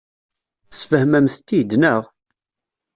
Tesfehmemt-t-id, naɣ?